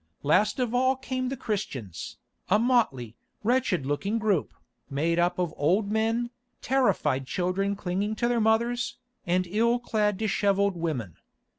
Last of all came the Christians, a motley, wretched looking group, made up of old men, terrified children clinging to their mothers, and ill clad, dishevelled women.